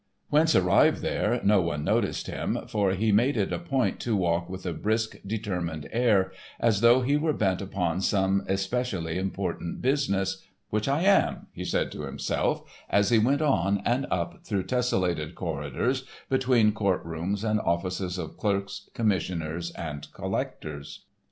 Whence arrived there, no one noticed him, for he made it a point to walk with a brisk, determined air, as though he were bent upon some especially important business, "which I am," he said to himself as he went on and up through tessellated corridors, between court rooms and offices of clerks, commissioners, and collectors.